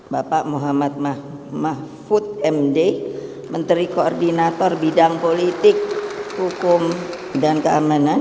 bapak muhammad mahfud md menteri koordinator bidang politik hukum dan keamanan